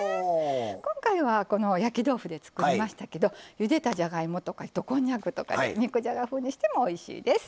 今回はこの焼き豆腐で作りましたけどゆでたじゃがいもとか糸こんにゃくとかで肉じゃが風にしてもおいしいです。